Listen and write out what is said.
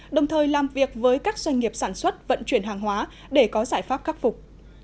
đồng thời làm việc với các doanh nghiệp sản xuất vận chuyển hàng hóa để có giải pháp khắc phục